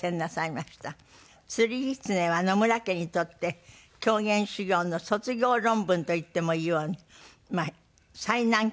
『釣狐』は野村家にとって狂言修業の卒業論文といってもいいような最難曲。